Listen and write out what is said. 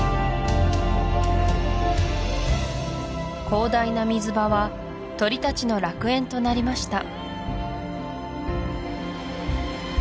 広大な水場は鳥達の楽園となりました